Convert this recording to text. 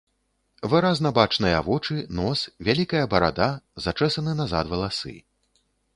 Выразна бачныя вочы, нос, вялікая барада, зачэсаны назад валасы.